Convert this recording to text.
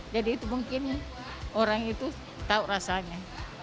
jadi itu mungkin orang itu tahu rasanya